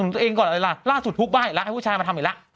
สนุนตัวเองก่อนเลยล่ะล่าสุดทุกบ้านอีกละให้ผู้ชายมาทำอีกละ